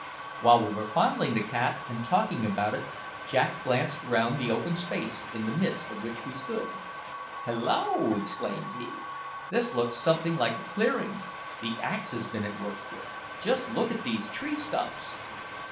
While we were fondling the cat and talking about it, Jack glanced round the open space in the midst of which we stood. "Hallo!" exclaimed he; "this looks something like a clearing. The axe has been at work here. Just look at these tree stumps."